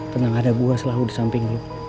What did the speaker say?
tenang ada gue selalu di samping lu